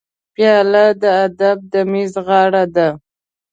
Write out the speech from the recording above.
پیاله د ادب د میز غاړه ده.